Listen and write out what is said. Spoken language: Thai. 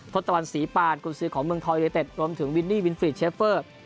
ทศตวรรษีปานกุญศือของเมืองทองยูเนเต็ดรวมถึงวินนี่วินฟรีดเชฟเฟอร์